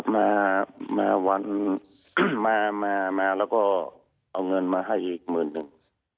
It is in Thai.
มามาวันมามาแล้วก็เอาเงินมาให้อีกหมื่นหนึ่ง